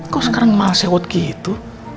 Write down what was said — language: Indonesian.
kok sekarang malasnya waktu itu